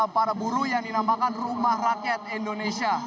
para buruh yang dinamakan rumah rakyat indonesia